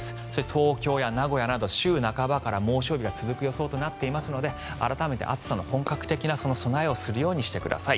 東京や名古屋など週半ばから猛暑日が続く予想となっていますので改めて暑さの本格的な備えをするようにしてください。